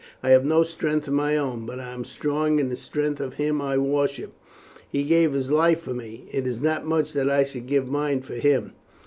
"I have no strength of my own, but I am strong in the strength of Him I worship. He gave His life for me it is not much that I should give mine for Him."